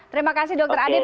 terima kasih dokter adip